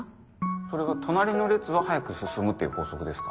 それは隣の列は早く進むっていう法則ですか？